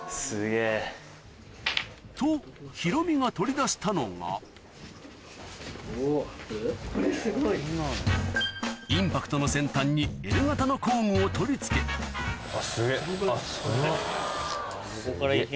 とヒロミが取り出したのがインパクトの先端にＬ形の工具を取り付けあっすげぇあっすごい。